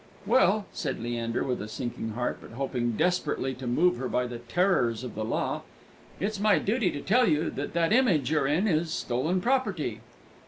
"Well," said Leander, with a sinking heart, but hoping desperately to move her by the terrors of the law, "it's my duty to tell you that that image you're in is stolen property."